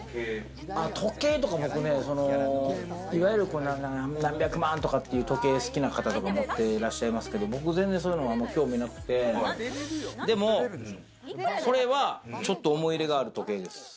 時計とか僕ね、いわゆるなんか何百万とかっていう時計が好きな方とかもいらっしゃいますけど、僕、全然そういうの興味なくてでも、これはちょっと思い入れがある時計です。